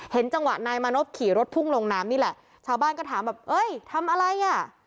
จังหวะนายมานพขี่รถพุ่งลงน้ำนี่แหละชาวบ้านก็ถามแบบเอ้ยทำอะไรอ่ะ